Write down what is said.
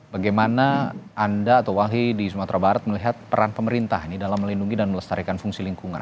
bagaimana anda atau walhi di sumatera barat melihat peran pemerintah dalam melindungi dan melestarikan fungsi lingkungan